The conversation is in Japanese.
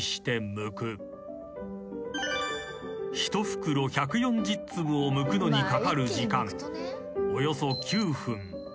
［１袋１４０粒をむくのにかかる時間およそ９分］